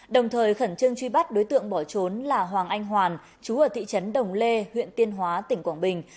đồng thời khẩn trương truy bắt đối tượng bỏ trốn là hoàng anh hoàn chú ở thị trấn đồng lê huyện tiên hóa tỉnh quảng bình